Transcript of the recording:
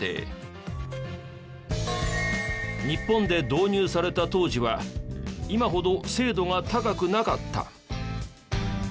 日本で導入された当時は今ほど精度が高くなかった。